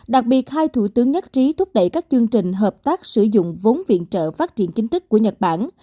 đặc biệt hai thủ tướng nhất trí thúc đẩy các chương trình hợp tác sử dụng vốn viện trợ phát triển chính thức của nhật bản